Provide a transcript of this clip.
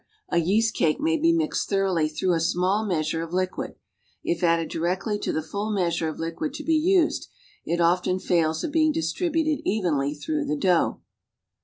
A yeast cake may be mixed thoroughly through a small measure of liquid; if added directly to the full measure of liquid to be used, it often fails of being distributed evenly through the dough.